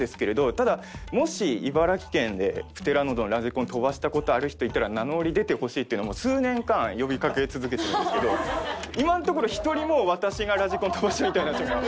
ただもし茨城県でプテラノドンのラジコンを飛ばした事ある人いたら名乗り出てほしいっていうのを数年間呼びかけ続けてるんですけど今のところ１人も「私がラジコン飛ばした」みたいな人が。